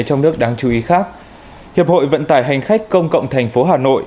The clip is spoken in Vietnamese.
trong nước đáng chú ý khác hiệp hội vận tải hành khách công cộng thành phố hà nội